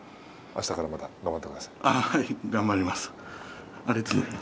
あしたからまた頑張ってください。